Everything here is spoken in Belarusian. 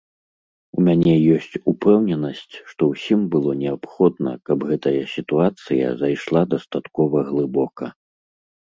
У мяне ёсць упэўненасць, што ўсім было неабходна, каб гэтая сітуацыя зайшла дастаткова глыбока.